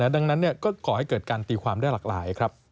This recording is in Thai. ดังนั้นก็ก่อให้เกิดการตีความได้หลากหลายครับ